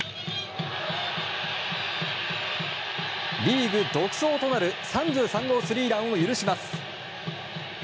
リーグ独走となる３３号スリーランを許します。